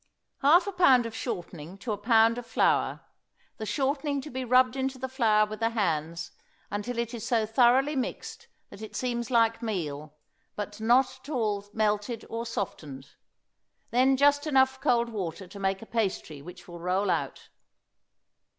Half a pound of shortening to a pound of flour, the shortening to be rubbed into the flour with the hands until it is so thoroughly mixed that it seems like meal, but not at all melted or softened; then just enough cold water to make a pastry which will roll out.